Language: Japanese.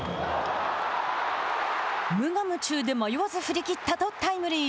無我夢中で迷わず振り切ったとタイムリー。